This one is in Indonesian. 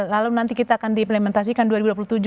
lalu nanti kita akan diimplementasikan dua ribu dua puluh tujuh